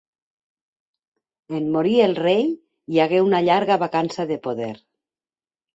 En morir el rei hi hagué una llarga vacança de poder.